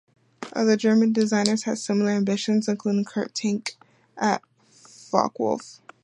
Other German designers had similar ambitions, including Kurt Tank at Focke-Wulf.